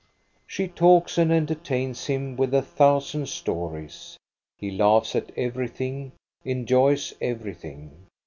She talks and entertains him with a thousand stories. He laughs at everything, enjoys everything.